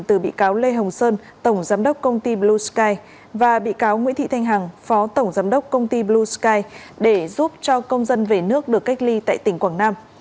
từ bị cáo lê hồng sơn tổng giám đốc công ty blue sky và bị cáo nguyễn thị thanh hằng phó tổng giám đốc công ty blue sky để giúp cho công dân về nước được cách ly tại tỉnh quảng nam